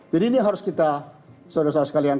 jadi ini harus kita saudara saudara sekalian